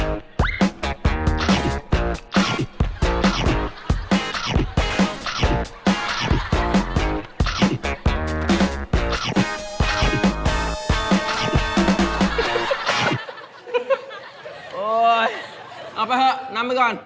โอ้ยเอาไปเถอะน้ำไปก่อน